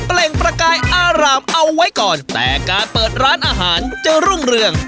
่งประกายอารามเอาไว้ก่อนแต่การเปิดร้านอาหารจะรุ่งเรือง